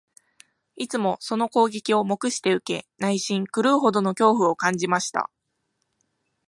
いつもその攻撃を黙して受け、内心、狂うほどの恐怖を感じました